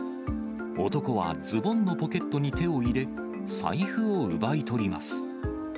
男はズボンのポケットに手を入れて、財布を奪い取ります。